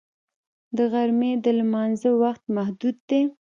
د غرمې د لمانځه وخت محدود دی